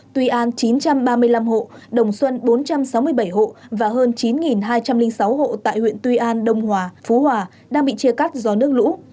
tuy an chín trăm ba mươi năm hộ đồng xuân bốn trăm sáu mươi bảy hộ và hơn chín hai trăm linh sáu hộ tại huyện tuy an đông hòa phú hòa đang bị chia cắt do nước lũ